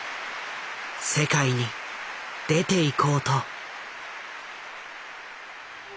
世界に出ていこうと。